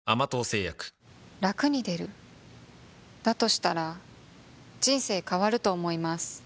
したら人生変わると思います